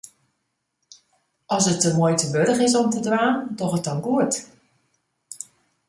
As it de muoite wurdich is om te dwaan, doch it dan goed.